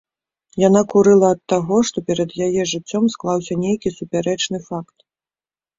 Яна курыла ад таго, што перад яе жыццём склаўся нейкі супярэчны факт.